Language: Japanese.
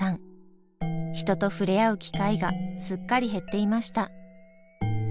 人と触れ合う機会がすっかり減っていました。